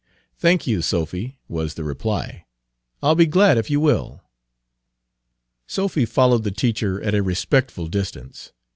"Thank you, Sophy," was the reply. "I'll be glad if you will." Sophy followed the teacher at a respectful distance.